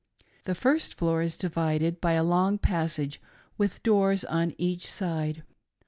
The first floor is divided by a long passage with doors on each side.